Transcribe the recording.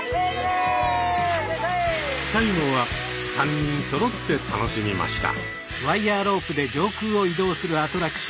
最後は３人そろって楽しみました。